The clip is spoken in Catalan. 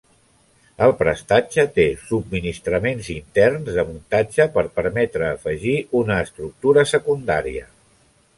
El prestatge té subministraments interns de muntatge per permetre afegir una estructura secundària.